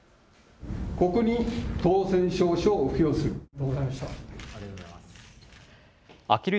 ここに当選証書を付与する。